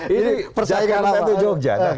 ini jalan jalan men atau jogja